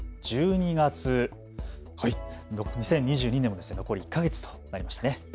２０２２年も残り１か月となりましたね。